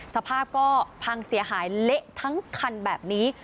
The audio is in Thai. สภาพก็พังเสียหายเละทั้งคันแบบนี้